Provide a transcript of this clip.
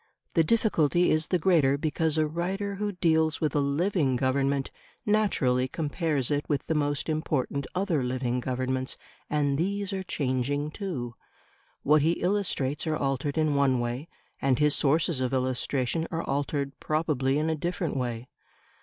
The difficulty is the greater because a writer who deals with a living Government naturally compares it with the most important other living Governments, and these are changing too; what he illustrates are altered in one way, and his sources of illustration are altered probably in a different way.